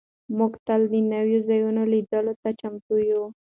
موږ تل د نویو ځایونو لیدلو ته چمتو یو.